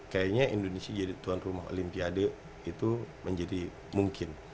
kayaknya indonesia jadi tuan rumah olimpiade itu menjadi mungkin